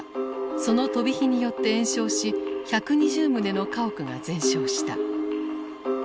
その飛び火によって延焼し１２０棟の家屋が全焼した。